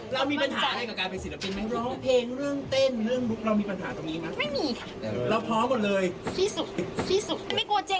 เรามีปัญหากับการเป็นศิลปินไหม